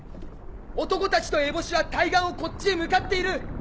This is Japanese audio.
男たちとエボシは対岸をこっちへ向かっている！